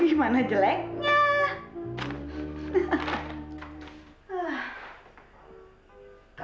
segini cakep gimana jeleknya